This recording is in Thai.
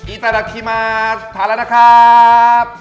อตาดักคีมาทานแล้วนะครับ